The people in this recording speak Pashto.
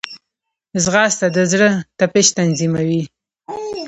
ځغاسته د زړه تپش تنظیموي